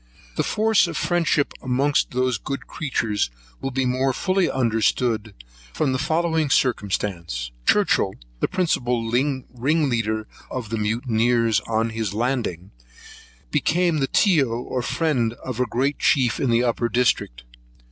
The force of friendship amongst those good creatures, will be more fully understood from the following circumstance: Churchhill, the principal ringleader of the mutineers, on his landing, became the Tyo, or friend, of a great chief in the upper districts.